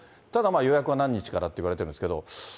ただまあ、予約は何日からっていわれてるんですけれども。